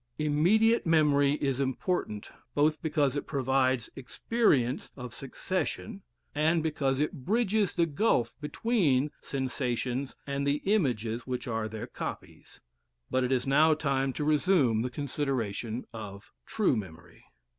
Immediate memory is important both because it provides experience of succession, and because it bridges the gulf between sensations and the images which are their copies. But it is now time to resume the consideration of true memory.